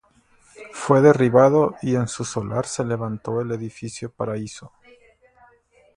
Fue derribado y en su solar se levantó el Edificio Paraíso.